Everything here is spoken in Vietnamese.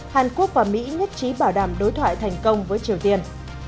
hàn quốc và mỹ nhất trí bảo đảm đối thoại thành công với triều tiên